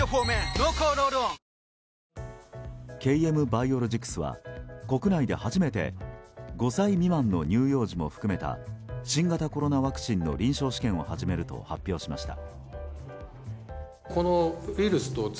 ＫＭバイオロジクスは国内で初めて５歳未満の乳幼児も含めた新型コロナワクチンの臨床試験を始めると発表しました。